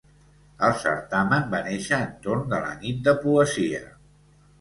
El certamen va néixer entorn de la Nit de poesia.